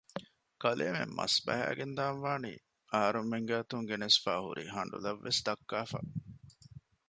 ކަލޭމެން މަސްބަހައިގެން ދާންވާނީ އަހަރުމެންގެ އަތުން ގެނެސްފައިހުރި ހަނޑުލަށް ވެސް ދައްކާފަ